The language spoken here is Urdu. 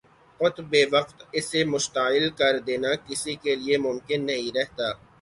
قت بے وقت اسے مشتعل کر دینا کسی کے لیے ممکن نہیں رہتا